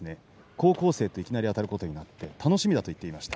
高校生と、いきなりあたることになって楽しみだと言っていました。